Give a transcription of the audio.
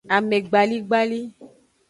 Amegbaligbali.